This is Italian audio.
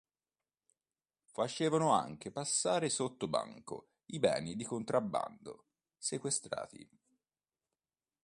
Facevano anche passare sotto banco i beni di contrabbando sequestrati.